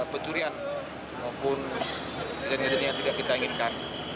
pencurian maupun kejadian kejadian yang tidak kita inginkan